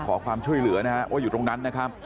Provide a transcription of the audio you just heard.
ขอความช่วยเหลือนะฮะว่าอยู่ตรงนั้นนะครับ